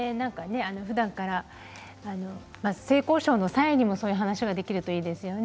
ふだんから性交渉の際にもそういう話ができるといいですね。